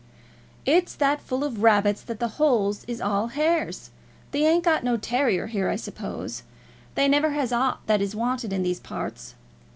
"It's that full of rabbits that the holes is all hairs. They ain't got no terrier here, I suppose. They never has aught that is wanted in these parts.